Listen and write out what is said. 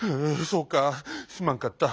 そうかすまんかった。